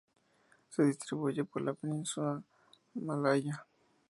Se distribuyen por la península malaya.